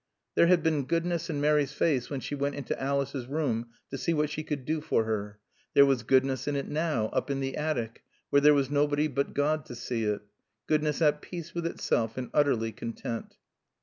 There had been goodness in Mary's face when she went into Alice's room to see what she could do for her. There was goodness in it now, up in the attic, where there was nobody but God to see it; goodness at peace with itself, and utterly content.